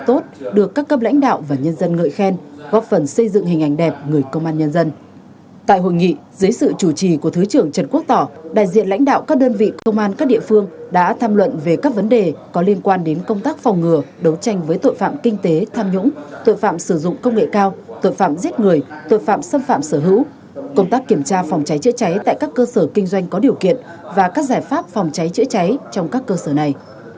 tại hội nghị dưới sự chủ trì của thứ trưởng trần quốc tỏ đại diện lãnh đạo các đơn vị công an các địa phương đã tham luận về các vấn đề có liên quan đến công tác phòng ngừa đấu tranh với tội phạm kinh tế tham nhũng tội phạm sử dụng công nghệ cao tội phạm giết người tội phạm xâm phạm sở hữu công tác kiểm tra phòng cháy chữa cháy tại các cơ sở kinh doanh có điều kiện và các giải pháp phòng cháy chữa cháy trong các cơ sở này